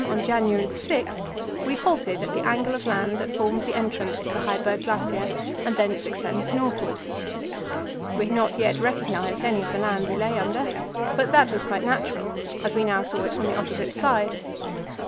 on January 6 we halted at the angle of land that forms the entrance to the Heiberg Glacier, and thence extends northward. We had not yet recognized any of the land we lay under, but that was quite natural, as we now saw it from the opposite side.